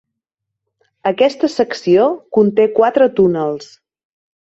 Aquesta secció conté quatre túnels.